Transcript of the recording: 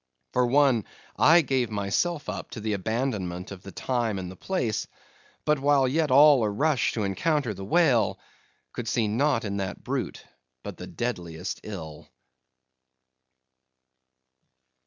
For one, I gave myself up to the abandonment of the time and the place; but while yet all a rush to encounter the whale, could see naught in that brute but the deadliest ill.